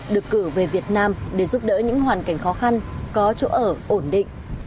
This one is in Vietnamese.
được cử về việt nam để giúp đỡ những hoàn cảnh khó khăn có chỗ ở ổn định